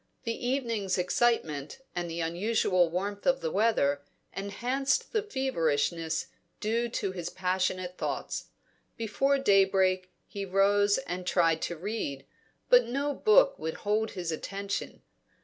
The evening's excitement and the unusual warmth of the weather enhanced the feverishness due to his passionate thoughts. Before daybreak he rose and tried to read, but no book would hold his attention.